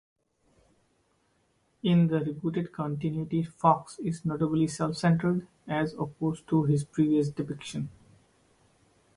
In the rebooted continuity, Fox is notably self-centered, as opposed to his previous depiction.